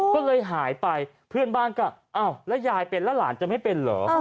ก็เลยหายไปเพื่อนบ้านก็อ้าวแล้วยายเป็นแล้วหลานจะไม่เป็นเหรอ